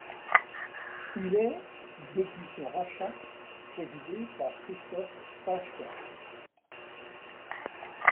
Il est, depuis son rachat, présidé par Christophe Czajka.